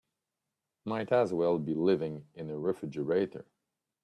Might as well be living in a refrigerator.